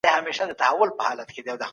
د هېواد تاریخ په ایډیالوژیکو سترګو مه ګورئ.